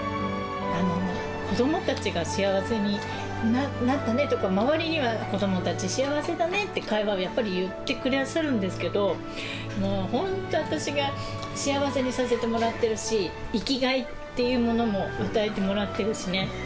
子どもたちが幸せになったねとか、周りには子どもたち、幸せだねって、会話をやっぱり言ってくださるんですけど、もう本当、私が幸せにさせてもらっているし、生きがいっていうものも与えてもらっているしね。